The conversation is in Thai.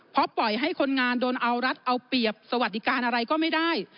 เพราะปล่อยให้คนงานโดนเอารัฐเอาเปรียบสวัสดิการอะไรก็ไม่ได้